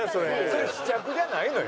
それ試着じゃないのよもう。